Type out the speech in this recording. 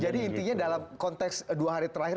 jadi intinya dalam konteks dua hari terakhir